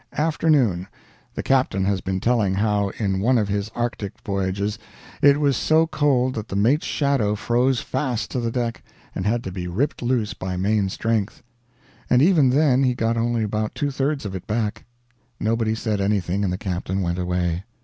Afternoon. The captain has been telling how, in one of his Arctic voyages, it was so cold that the mate's shadow froze fast to the deck and had to be ripped loose by main strength. And even then he got only about two thirds of it back. Nobody said anything, and the captain went away.